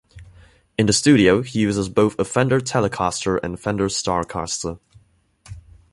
In the studio, he uses both a Fender Telecaster and Fender Starcaster.